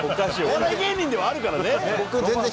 お笑い芸人ではあるからね。